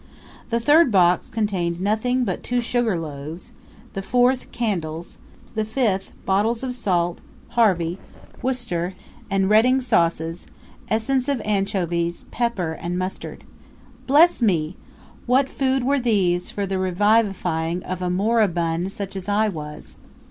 The third box contained nothing but two sugar loaves; the fourth, candles; the fifth, bottles of salt, Harvey, Worcester, and Reading sauces, essence of anchovies, pepper, and mustard. Bless me! what food were these for the revivifying of a moribund such as I was!